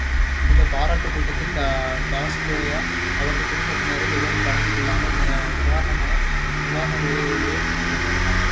இந்தப் பாராட்டுக் கூட்டத்தில் டால்ஸ்டாயோ அவரது குடும்பத்தினரோ எவரும் கலந்து கொள்ளாமல், நிவாரண வேலைகளிலேயே மும்முரமாக ஈடுபட்டுக் கொண்டிருந்தார்கள்.